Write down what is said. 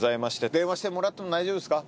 電話してもらっても大丈夫ですか？